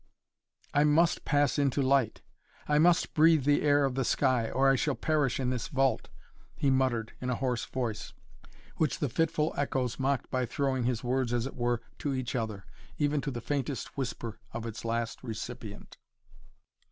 "I must pass into light. I must breathe the air of the sky, or I shall perish in this vault," he muttered in a hoarse voice, which the fitful echoes mocked by throwing his words as it were, to each other, even to the faintest whisper of its last recipient.